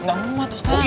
gak muat ustadz